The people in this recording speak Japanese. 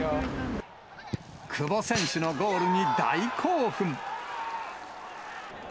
久保選手のゴールに大興奮。